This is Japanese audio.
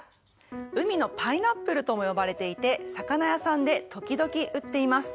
海のパイナップルとも呼ばれていて魚屋さんで時々売っています。